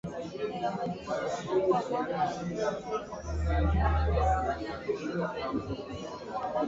Generally most of the programming was animated, with a fair portion being anime.